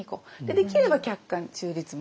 できれば客観中立も。